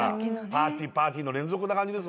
パーティーパーティーの連続な感じですもんね。